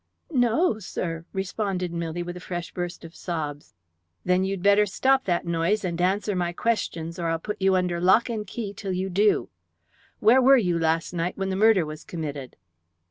"N o, sir," responded Milly, between a fresh burst of sobs. "Then you'd better stop that noise and answer my questions, or I'll put you under lock and key till you do. Where were you last night when the murder was committed?"